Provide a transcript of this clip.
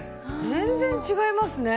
全然違いますね。